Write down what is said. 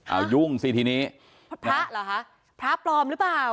เอายุ่งสิทีนี้พระเหรอคะพระปลอมหรือเปล่า